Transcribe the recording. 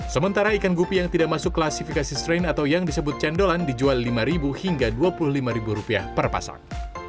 sementara ikan gupi yang tidak masuk klasifikasi strain atau yang disebut cendolan dijual rp lima hingga rp dua puluh lima per pasang